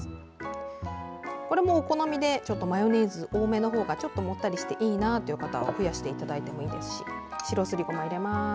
お好みでマヨネーズ多めのほうがちょっともったりしていいなという方は増やしていただいてもいいですし。